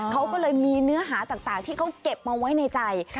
เขาก็เลยมีเนื้อหาต่างที่เขาเก็บมาไว้ในใจ